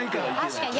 確かに。